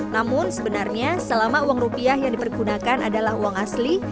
namun sebenarnya selama uang rupiah yang dipergunakan adalah uang asli